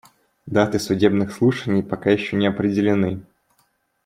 Даты судебных слушаний пока еще не определены.